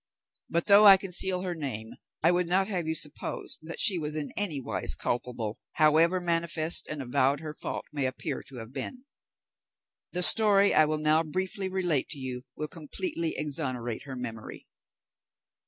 But though I conceal her name, I would not have you suppose that she was in any wise culpable, however manifest and avowed her fault may appear to have been. The story I will now briefly relate to you will completely exonerate her memory.